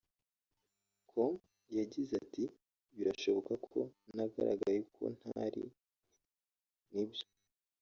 com yagize ati ”Birashoboka ko nagaragaye uko ntari nibyo